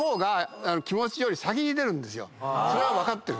それは分かってる。